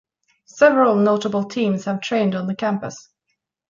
Several notable teams have trained on the campus.